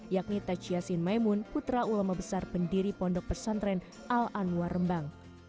yakni taj yassin maimun putra ulama besar pendiri pondok pesantren al anwar rembang